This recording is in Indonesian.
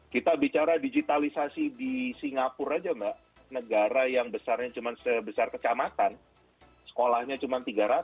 kita bicara digitalisasi di singapura saja mbak negara yang besarnya cuma sebesar kecamatan sekolahnya cuma tiga ratus